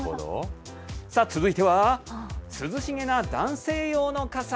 さあ、続いては、涼しげな男性用の傘。